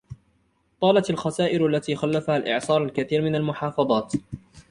طالت الخسائر التي خلفها الإعصار الكثير من المحافظات.